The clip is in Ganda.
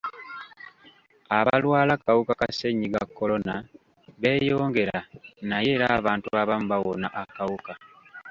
Abalwala akawuka ka ssennyiga kolona beeyongera naye era abantu abamu bawona akawuka.